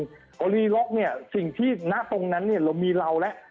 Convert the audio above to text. เพราะวันนี้ล็อกเนี่ยสิ่งที่หน้าตรงนั้นเนี่ยมีเราแล้ว